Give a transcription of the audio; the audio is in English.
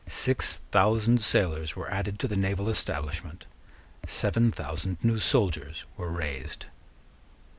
Six thousand sailors were added to the naval establishment. Seven thousand new soldiers were raised.